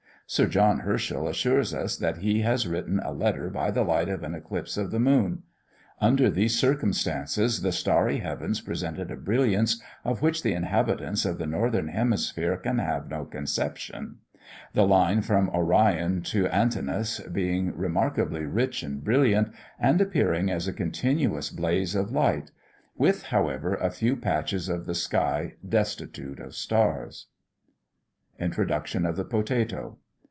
Sir John Herschel assures us that he has written a letter by the light of an eclipse of the moon. Under these circumstances, the starry heavens presented a brilliance, of which the inhabitants of the northern hemisphere can have no conception; the line from Orion to Antinous being remarkably rich and brilliant, and appearing as a continuous blaze of light; with, however, a few patches of the sky destitute of stars. INTRODUCTION OF THE POTATO.